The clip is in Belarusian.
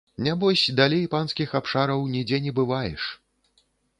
Нябось далей панскіх абшараў нідзе не бываеш.